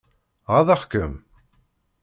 Ɣaḍeɣ-kem?